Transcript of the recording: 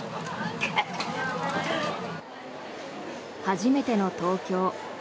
初めての東京。